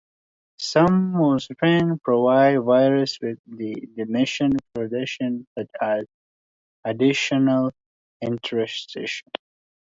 Some manufacturers provide variants with additional functions such as additional instructions.